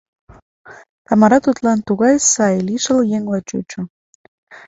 Тамара тудлан тугай сай, лишыл еҥла чучо.